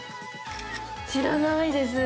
知らないです。ね。